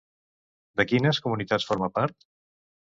De quines comunitats forma part?